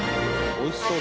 おいしそう。